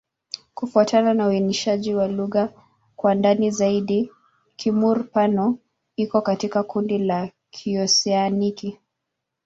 Kufuatana na uainishaji wa lugha kwa ndani zaidi, Kimur-Pano iko katika kundi la Kioseaniki.